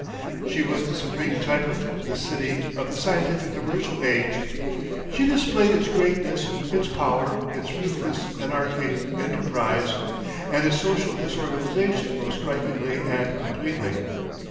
She was the supreme type of the City of the Scientific Commercial Age; she displayed its greatness, its power, its ruthless anarchic enterprise, and its social disorganisation most strikingly and completely.